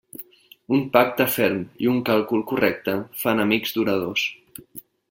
Un pacte ferm i un càlcul correcte fan amics duradors.